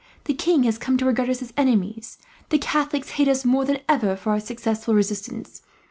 The king has come to regard us as enemies. The Catholics hate us more than ever, for our successful resistance.